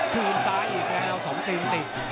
คืนซ้ายอีกแล้ว๒ทีมติด